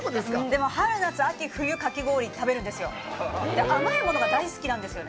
でも、春夏秋冬かき氷食べるんですよ。